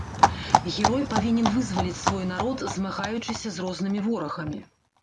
Герой павінен вызваліць свой народ, змагаючыся з рознымі ворагамі.